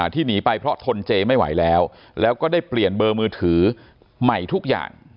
ที่หนีไปเพราะทนเจไม่ไหวแล้วแล้วก็ได้เปลี่ยนเบอร์มือถือใหม่ทุกอย่าง